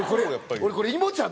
俺これいもちゃん